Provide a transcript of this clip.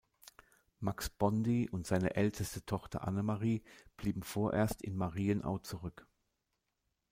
Max Bondy und seine älteste Tochter Annemarie blieben vorerst in Marienau zurück.